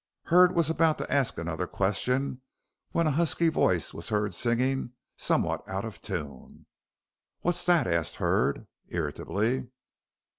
Hurd was about to ask another question when a husky voice was heard singing somewhat out of tune. "What's that?" asked Hurd, irritably.